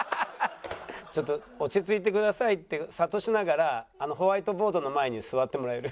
「ちょっと落ち着いてください」って諭しながらホワイトボードの前に座ってもらえる？